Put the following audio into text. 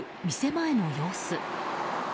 前の様子。